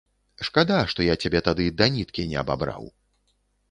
Шкада, што я цябе тады да ніткі не абабраў.